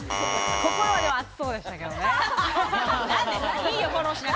心は熱そうでしたけれどもね。